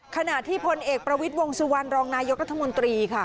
ขณะที่พลเอกประวิทย์วงสุวรรณรองนายกรัฐมนตรีค่ะ